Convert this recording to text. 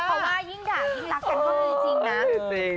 เพราะว่ายิ่งด่ายิ่งรักกันก็มีจริงนะ